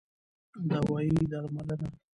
دوايي √ درملنه